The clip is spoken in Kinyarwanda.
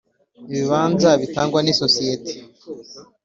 ibibanza bitangwa n isosiyete